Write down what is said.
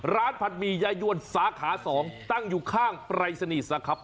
ร้านผัดหมี่ยายวนสาขา๒ตั้งอยู่ข้างไปร